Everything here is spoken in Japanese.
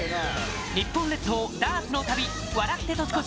日本列島ダーツの旅、笑って年越し！